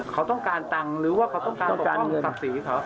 เขาต้องการตังค์หรือว่าเขาต้องการการศักดิ์ศรีเขา